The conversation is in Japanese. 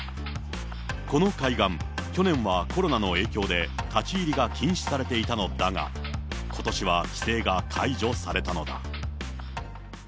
この海岸、去年はコロナの影響で、立ち入りが禁止されていたのだが、ことしは規制が解除されたのだ。